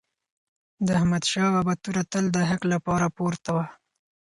د احمدشاه بابا توره تل د حق لپاره پورته وه.